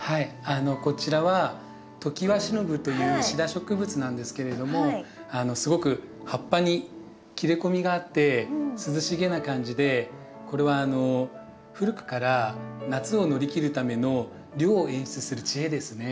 こちらはトキワシノブというシダ植物なんですけれどもすごく葉っぱに切れ込みがあって涼しげな感じでこれは古くから夏を乗り切るための涼を演出する知恵ですね。